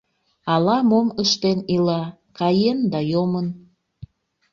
Ала-мом ыштен ила, каен да йомын.